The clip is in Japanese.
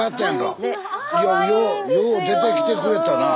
スタジオよう出てきてくれたなあ。